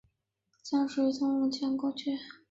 计算尺是一种通用的计算工具。